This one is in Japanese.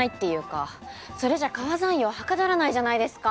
それじゃ皮算用はかどらないじゃないですか！